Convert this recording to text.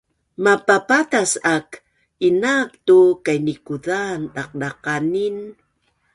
Mapapatas aak inaak tu kainikuzaan daqdaqanin